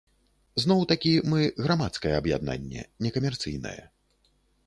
Зноў-такі, мы грамадскае аб'яднанне, некамерцыйнае.